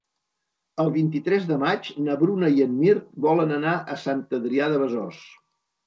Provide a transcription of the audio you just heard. El vint-i-tres de maig na Bruna i en Mirt volen anar a Sant Adrià de Besòs.